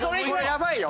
やばいよ。